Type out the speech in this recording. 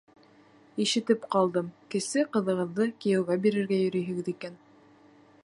Ишетеп ҡалдым, кесе ҡыҙығыҙҙы кейәүгә бирергә йөрөйһөгөҙ икән.